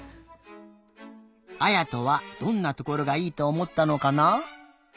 あやとはどんなところがいいとおもったのかな？